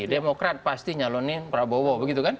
demokrat pasti nyalonin prabowo begitu kan